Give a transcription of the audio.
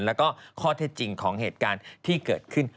แล้วก็ข้อเท็จจริงของเหตุการณ์ที่เกิดขึ้น